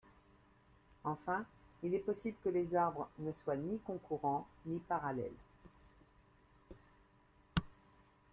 Enfin, il est possible que les arbres ne soient ni concourants, ni parallèles.